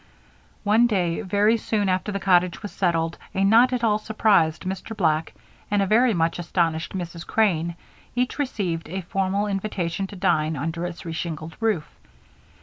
One day, very soon after the cottage was settled, a not at all surprised Mr. Black and a very much astonished Mrs. Crane each received a formal invitation to dine under its reshingled roof.